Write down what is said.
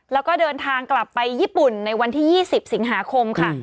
แล้วก็เดินทางกลับไปญี่ปุ่นในวันที่๒๐สิงหาคมค่ะ